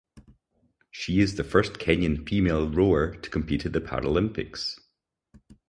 She is the first Kenyan female rower to compete at the Paralympics.